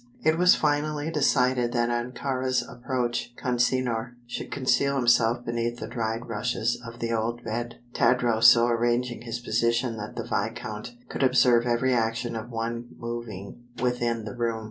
It was finally decided that on Kāra's approach Consinor should conceal himself beneath the dried rushes of the old bed, Tadros so arranging his position that the viscount could observe every action of one moving within the room.